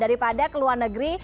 daripada ke luar negeri